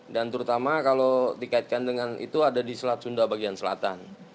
terutama kalau dikaitkan dengan itu ada di selat sunda bagian selatan